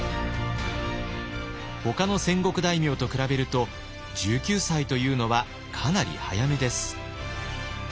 ほかの戦国大名と比べると１９歳というのはかなり早めです。